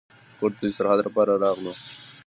کور ته د استراحت لپاره راغلو.